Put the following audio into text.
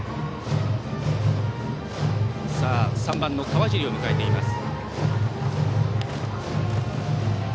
３番の川尻を迎えています。